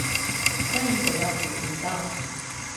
歡迎回到主頻道